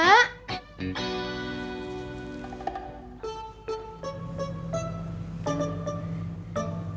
buat minum ya